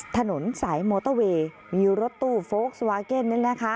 ถนนสายมอเตอร์เวย์มีรถตู้โฟลกซ์วาร์เกิ้ลนี่นะคะ